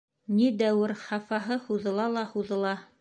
Ни дәүер хафаһы һуҙыла ла һуҙыла.